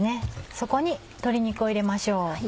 そこに鶏肉を入れましょう。